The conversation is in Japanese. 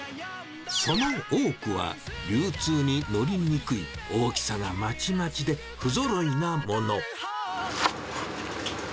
その多くは、流通に乗りにくい大きさがまちまちで、不ぞろいなもの。